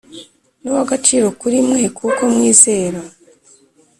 Ni uw agaciro kuri mwe kuko mwizera